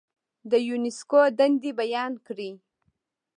د یونسکو دندې بیان کړئ.